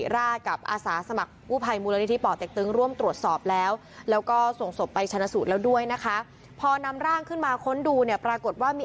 แล้วแล้วก็ส่งศพไปชนะสูตรแล้วด้วยนะคะพอนำร่างขึ้นมาค้นดูเนี่ยปรากฏว่ามี